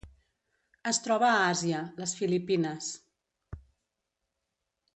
Es troba a Àsia: les Filipines.